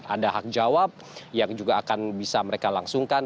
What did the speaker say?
ada hak jawab yang juga akan bisa mereka langsungkan